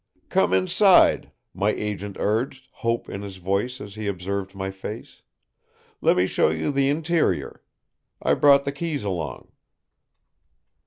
"Come inside," my agent urged, hope in his voice as he observed my face; "let me show you the interior. I brought the keys along.